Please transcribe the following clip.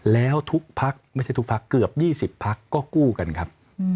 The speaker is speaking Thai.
แล้วทุกพักไม่ใช่ทุกพักเกือบ๒๐พักก็กู้กันครับ